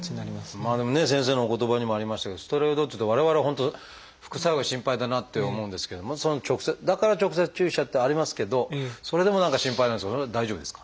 まあでもね先生のお言葉にもありましたけどステロイドっていうと我々は本当副作用が心配だなって思うんですけどだから直接注射ってありますけどそれでも何か心配なんですけどその辺大丈夫ですか？